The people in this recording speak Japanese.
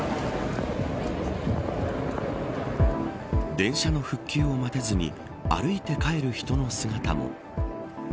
電車の復旧を待てずに歩いて帰る人の姿も。